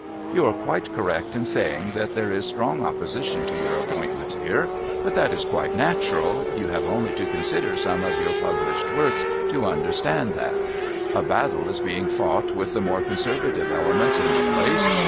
"You are quite correct in saying that there is strong opposition to your appointment here. But that is quite natural; you have only to consider some of your published works to understand that. A battle is being fought with the more conservative elements in the place.